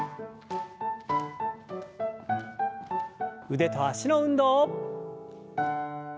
腕と脚の運動。